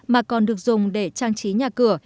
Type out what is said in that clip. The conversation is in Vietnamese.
mà còn được dùng để trang trí nhà cửa